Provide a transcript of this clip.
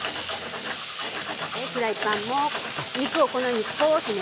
フライパンも肉をこのように少しね。